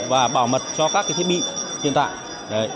và bảo mật cho các thiết bị hiện tại